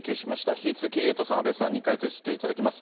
引き続きエイトさん、阿部さんに解説していただきます。